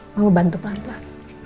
mau bantu pelan pelan